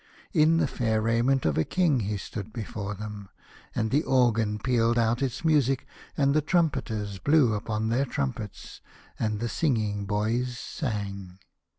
In the fair raiment ot a king he stood before them, and the organ pealed out its music, and the trumpeters blew upon their trumpets, and the singing boys sang.